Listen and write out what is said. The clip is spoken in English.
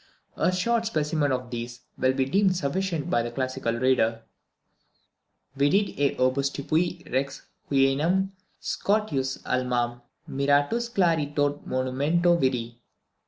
A short specimen of these will be deemed sufficient by the classical reader: "Vidit et obstupuit Rex Huennum Scoticus almam; Miratus clari tot monumenta viri."